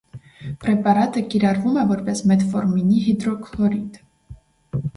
Պրեպարատը կիրառվում է որպես մետֆորմինի հիդրոքլորիդ։